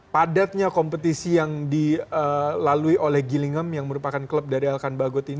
padatnya kompetisi yang dilalui oleh gilingham yang merupakan klub dari elkan bagot ini